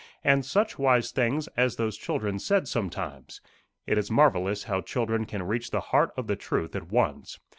And such wise things as those children said sometimes! It is marvellous how children can reach the heart of the truth at once.